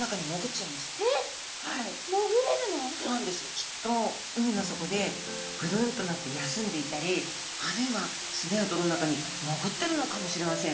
きっと海の底でぐるんとなって休んでいたりあるいは砂や泥の中にもぐってるのかもしれません。